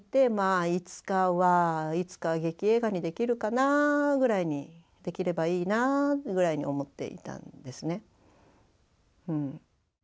あいつかはいつか劇映画にできるかなあぐらいにできればいいなあぐらいに思っていたんですね。